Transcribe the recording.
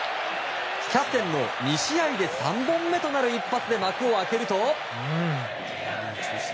キャプテンの２試合で３本目となる一発で幕を開けると。